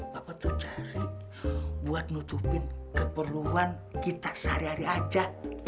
bapak tuh cari buat nutupin keperluan kita sehari hari aja